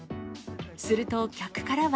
すると、客からは。